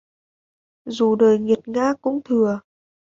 Dù đời nghiệt ngã cũng thừa